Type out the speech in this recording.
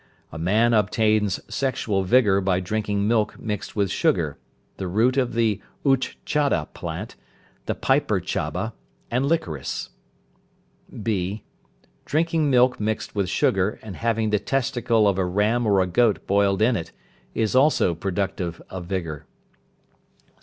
A man obtains sexual vigour by drinking milk mixed with sugar, the root of the uchchata plant, the piper chaba, and liquorice. (b). Drinking milk mixed with sugar, and having the testicle of a ram or a goat boiled in it, is also productive of vigour.